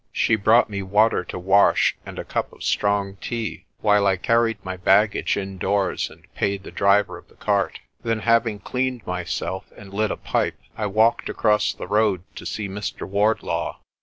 She brought me water to wash, and a cup of strong tea, while I carried my baggage indoors and paid the driver of the cart. Then, having cleaned myself and lit a pipe, I walked across the road to see Mr. Wardlaw.